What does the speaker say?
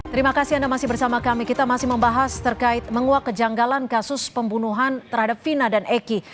terima kasih anda masih bersama kami kita masih membahas terkait menguak kejanggalan kasus pembunuhan terhadap vina dan eki